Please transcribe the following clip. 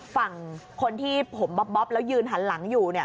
ฝั่งคนที่ผมบ๊อบแล้วยืนหันหลังอยู่เนี่ย